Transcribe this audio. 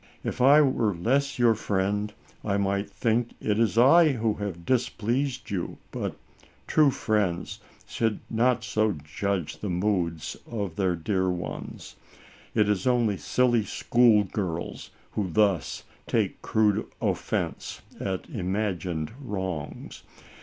If I were less your friend, I might think it is I who have displeased you, but true friends should not so judge the moods of their dear ones. It is only silly school girls who thus take crude offense at imagined wrongs.